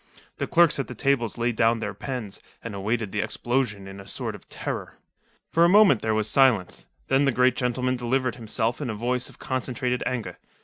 The clerks at the tables laid down their pens, and awaited the explosion in a sort of terror. For a long moment there was silence. Then the great gentleman delivered himself in a voice of concentrated anger.